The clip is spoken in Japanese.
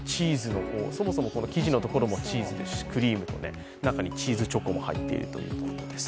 そもそも生地のところもチーズですし、クリームとね、中にチーズチョコも入っているそうです。